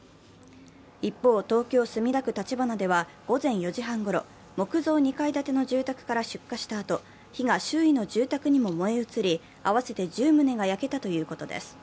一方、東京・墨田区立花では午前４時半ごろ、木造２階建ての住宅から出火したあと火が周囲の住宅にも燃え移り、合わせて１０棟が焼けたということです。